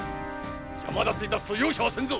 邪魔だてすると容赦はせんぞ。